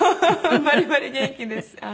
バリバリ元気です。